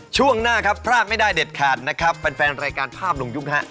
ช่วงหน้าครับพลาดไม่ได้เด็ดขาดนะครับแฟนรายการภาพลงยุคฮะ